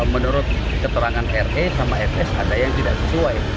menurut keterangan re sama fs ada yang tidak sesuai